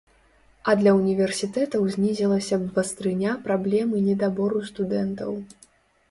А для ўніверсітэтаў знізілася б вастрыня праблемы недабору студэнтаў.